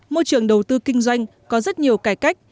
môi trường đầu tư kinh doanh có rất nhiều cải cách